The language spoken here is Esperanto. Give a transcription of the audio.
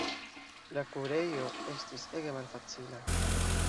La kurejo estis ege malfacila.